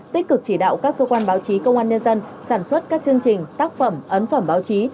tích cực chỉ đạo các cơ quan báo chí công an nhân dân sản xuất các chương trình tác phẩm ấn phẩm báo chí